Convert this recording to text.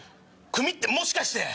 組ってもしかして。